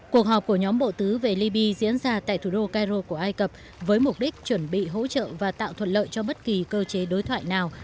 cuộc họp của nhóm bộ tứ về libya diễn ra tại thủ đô cairo của ai cập với mục đích chuẩn bị hỗ trợ và tạo thuận lợi cho bất kỳ cơ chế đối thoại nào